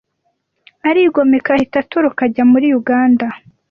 arigomeka ahita atoroka ajya muri Uganda